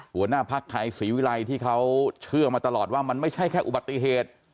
หัวหน้าภักดิ์ไทยศรีวิรัยที่เขาเชื่อมาตลอดว่ามันไม่ใช่แค่อุบัติเหตุ